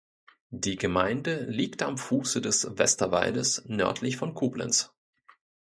Die Gemeinde liegt am Fuße des Westerwaldes nördlich von Koblenz.